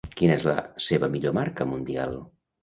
Quina és la seva millor marca mundial?